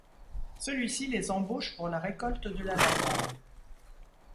Celui-ci les embauche pour la récolte de la lavande.